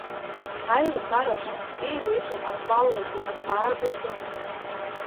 Аилатәара аҿы еиуеиԥшым актуалра злоу азҵаарақәа шьҭыхын.